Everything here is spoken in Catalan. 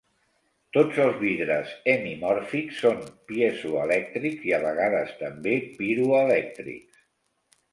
Tots els vidres hemimòrfics són piezoelèctrics i a vegades també piroelèctrics.